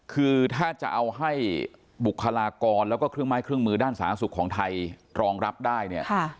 คือถ้าจะเอาให้บุคลากรแล้วก็เครื่องไม้เครื่องมือด้านสาธารณสุขของไทยรองรับได้เนี่ย